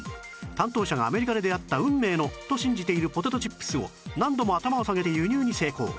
「担当者がアメリカで出会った運命のと信じてるポテトチップスを何度も頭を下げて輸入に成功！」